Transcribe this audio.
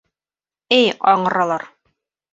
— Эй аңралар!